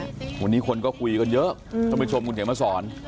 วันนี้คนก็คุยกันเยอะต้องไปชมคุณเก่งมาสอน